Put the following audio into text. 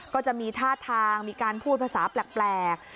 ก็จะมีท่าทางมีการพูดภาษาแปลก